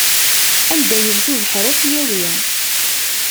Anda yewwet ubeḥri ad t-yawi.